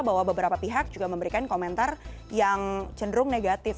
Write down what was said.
bahwa beberapa pihak juga memberikan komentar yang cenderung negatif